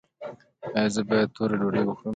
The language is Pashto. ایا زه باید توره ډوډۍ وخورم؟